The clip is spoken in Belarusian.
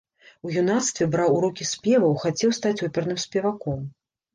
У юнацтве браў урокі спеваў, хацеў стаць оперным спеваком.